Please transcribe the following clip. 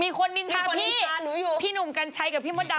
มีคนนินทาพี่หนุ่มกัญชัยกับพี่มดัม